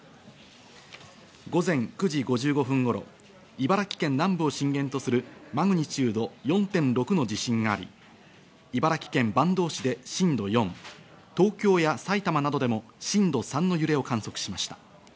午前９時５５分頃、茨城県南部を震源とするマグニチュード４．６の地震があり、茨城県坂東市で震度４、東京や埼玉などでも震度３の揺れを観測しました。